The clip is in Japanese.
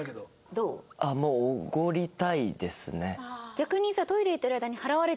逆にさ。